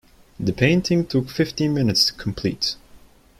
The painting took fifteen minutes to complete.